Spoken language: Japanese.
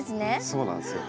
そうなんですよ。